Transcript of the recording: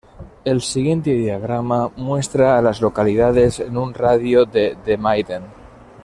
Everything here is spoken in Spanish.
El siguiente diagrama muestra a las localidades en un radio de de Maiden.